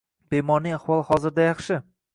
Bemorning ahvoli hozirda yaxshi.